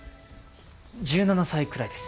１７歳くらいです